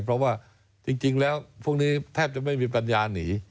เพราะว่าจริงแล้วพวกนี้แทบจะไม่มีปัญญาหนี